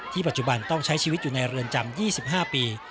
ปัจจุบันต้องใช้ชีวิตอยู่ในเรือนจำ๒๕ปี